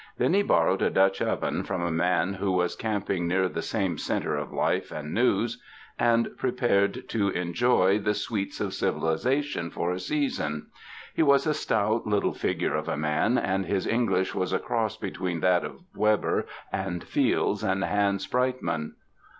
Then he borrowed a Dutch oven from a man who was camping near the same center of life and news, and prepared to enjoy the sweets of 31 UNDER THE SKY IN CALIFORNIA civilization for a season. He was a stout, little fig ure of a man, and his English was a cross between that of Weber and Fields and Hans Breitmann.